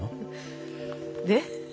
で？